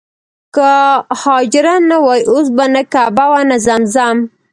که حاجره نه وای اوس به نه کعبه وه نه زمزم.